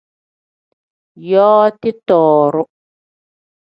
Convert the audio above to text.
Yooti tooru.